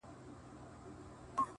او وژاړمه~